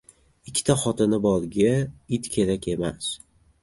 • Ikkita xotini borga it kerak emas.